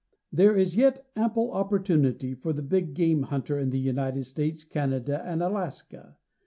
There is yet ample opportunity for the big game hunter in the United States, Canada and Alaska.